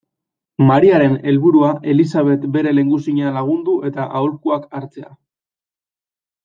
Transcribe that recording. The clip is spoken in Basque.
Mariaren helburua Elisabet bere lehengusina lagundu eta aholkuak hartzea.